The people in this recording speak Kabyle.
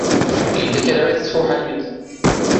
Yella kra i tesfuḥayemt?